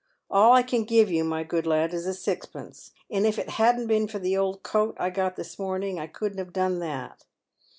All I can give you, my good lad, is a sixpence ; and if it hadn't been for the old coat I got this morning I couldu't have done that.